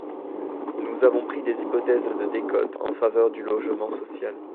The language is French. Nous avons pris des hypothèses de décote en faveur du logement social.